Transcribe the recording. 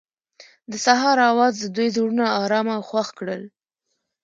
د سهار اواز د دوی زړونه ارامه او خوښ کړل.